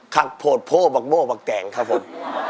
ผักโดดโพบักโบ้บักแต่งครับผม